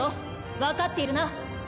分かっているな？